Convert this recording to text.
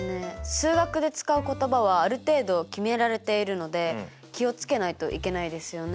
数学で使う言葉はある程度決められているので気を付けないといけないですよね。